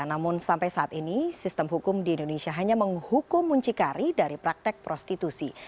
namun sampai saat ini sistem hukum di indonesia hanya menghukum muncikari dari praktek prostitusi